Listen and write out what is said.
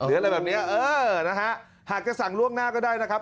หรืออะไรแบบนี้หากจะสั่งล่วงหน้าก็ได้นะครับ